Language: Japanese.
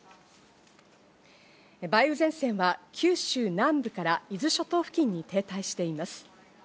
梅雨前線は九州南部から伊豆諸島付近に停滞しています。